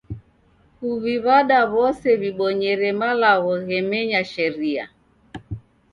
Kuw'iw'ada w'ose w'ibonyere malagho ghemenya sharia.